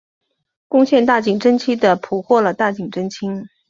攻陷大井贞清的捕获了大井贞清。